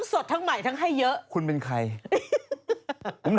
โปรดติดตามตอนแรม